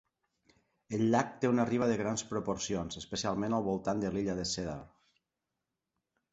El llac té una riba de grans proporcions, especialment al voltant de l'illa de Cedar.